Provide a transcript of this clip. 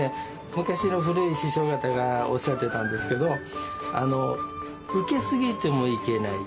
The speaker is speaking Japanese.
昔の古い師匠方がおっしゃってたんですけどウケすぎてもいけない。